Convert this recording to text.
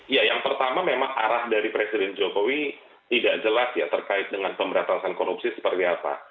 ya yang pertama memang arah dari presiden jokowi tidak jelas ya terkait dengan pemberantasan korupsi seperti apa